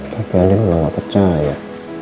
tapi andi memang gak percaya